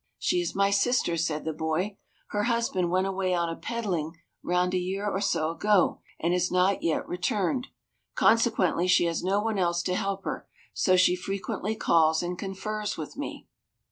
"She is my sister," said the boy. "Her husband went away on a peddling round a year or so ago, and has not yet returned; consequently she has no one else to help her, so she frequently calls and confers with me."